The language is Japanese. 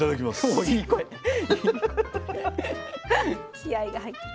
気合いが入ってる。